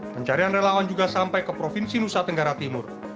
pencarian relawan juga sampai ke provinsi nusa tenggara timur